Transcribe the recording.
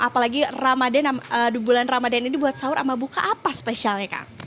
apalagi bulan ramadan ini buat sahur sama buka apa spesialnya kang